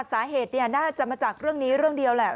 สาเหตุน่าจะมาจากเรื่องนี้เรื่องเดียวแหละ